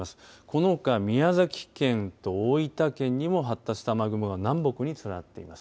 このほか宮崎県と大分県にも発達した雨雲が南北に連なっています。